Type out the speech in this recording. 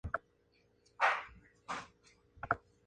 Internacionalmente es parte de Solidaridad Internacional Libertaria.